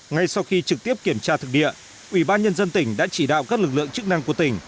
ngay sau khi trực tiếp kiểm tra thực địa ủy ban nhân dân tỉnh đã chỉ đạo các lực lượng chức năng của tỉnh